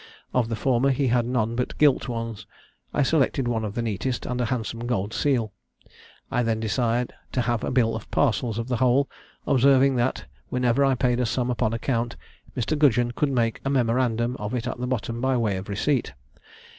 Of the former he had none but gilt ones: I selected one of the neatest, and a handsome gold seal. I then desired to have a bill of parcels of the whole, observing that, whenever I paid a sum upon account, Mr. Gudgeon could make a memorandum of it at the bottom by way of receipt.